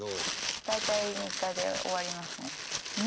大体３日で終わりますね。